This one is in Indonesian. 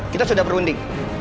kita sudah berunding